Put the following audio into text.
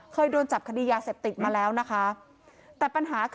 ผลโทษออกมาสภาพกู่เสพอีก